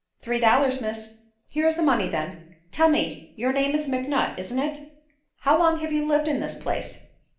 "Three dollars, miss." "Here is the money, then. Tell me your name is McNutt, isn't it? how long have you lived in this place?"